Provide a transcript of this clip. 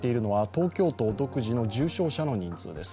東京都独自の重症者の人数です。